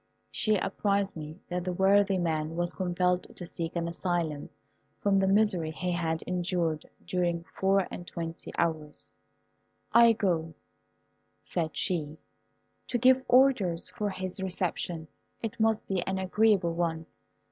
She apprized me that the worthy man was compelled to seek an asylum from the misery he had endured during four and twenty hours. "I go," said she, "to give orders for his reception. It must be an agreeable one.